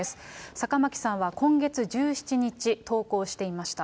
坂巻さんは、今月１７日、登校していました。